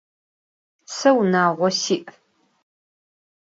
Se vunağo si'.